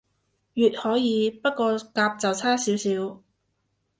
乙可以，不過甲就差少少